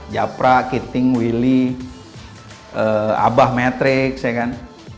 japra kiting willy abah matrix ya kan